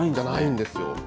ないんですよ。